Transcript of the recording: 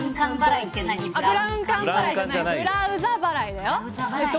ブラウザ払いだよ。